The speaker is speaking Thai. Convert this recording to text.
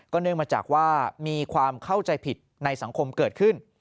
เนื่องมาจากว่ามีความเข้าใจผิดในสังคมเกิดขึ้น